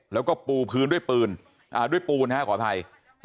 แล้วก็ปูพื้นด้วยปืนด้วยปูนขออภัย